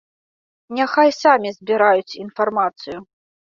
Няхай самі збіраюць інфармацыю.